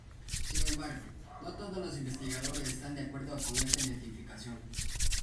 Sin embargo, no todos los investigadores están de acuerdo con esta identificación.